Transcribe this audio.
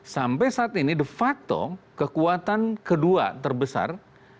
sampai saat ini de facto kekuatan kedua terbesar